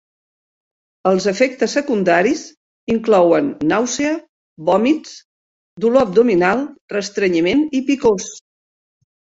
Els efectes secundaris inclouen nàusea, vòmits, dolor abdominal, restrenyiment i picors.